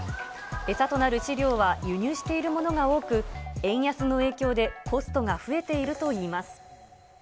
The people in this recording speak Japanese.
餌となる飼料は輸入しているものが多く、円安の影響で、コストが増えているといいます。